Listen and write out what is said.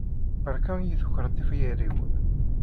Berka i yi-tukreḍ tifyar-iw!